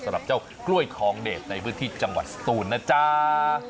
สำหรับเจ้ากล้วยทองเดชในพื้นที่จังหวัดสตูนนะจ๊ะ